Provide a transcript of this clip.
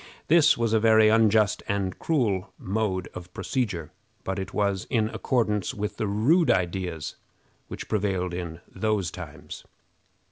This was a very unjust and cruel mode of procedure, but it was in accordance with the rude ideas which prevailed in those times.